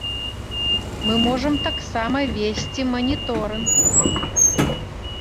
Мы можам таксама весці маніторынг.